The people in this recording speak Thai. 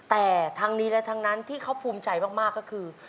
แต่ทั้งนี้และทั้งนั้นที่เขาภูมิใจมากก็คือ